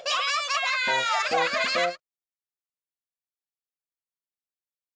アハハハ！